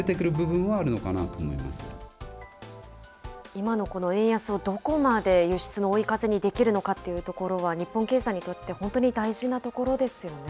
今のこの円安をどこまで輸出の追い風にできるのかというのは日本経済にとって本当に大事なところですよね。